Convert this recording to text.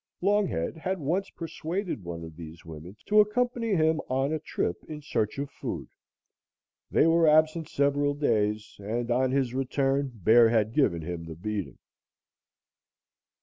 Longhead had once persuaded one of these women to accompany him on a trip in search of food. They were absent several days, and on his return, Bear had given him the beating.